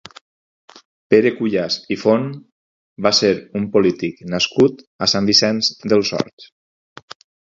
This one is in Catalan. Pere Cuyàs i Font va ser un polític nascut a Sant Vicenç dels Horts.